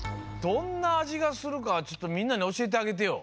どんなあじがするかちょっとみんなにおしえてあげてよ。